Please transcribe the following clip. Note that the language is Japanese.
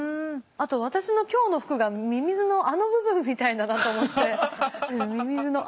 あと私の今日の服がミミズのあの部分みたいだなと思って。